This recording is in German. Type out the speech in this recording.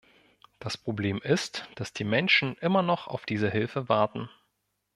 Das Problem ist, dass die Menschen immer noch auf diese Hilfe warten.